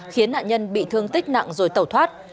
khiến nạn nhân bị thương tích nặng rồi tẩu thoát